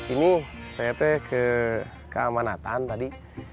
ini saya itu kekeamanan tadi